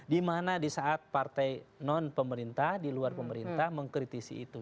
dimana disaat partai non pemerintah diluar pemerintah mengkritisi itu